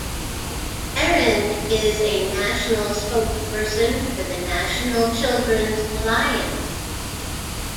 Erin is a national spokesperson for the National Children's Alliance.